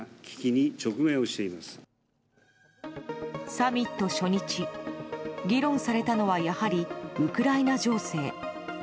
サミット初日、議論されたのはやはりウクライナ情勢。